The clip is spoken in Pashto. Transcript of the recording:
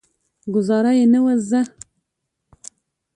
ګوزارا یې نه وه زده.